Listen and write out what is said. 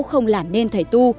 không làm nên thầy tu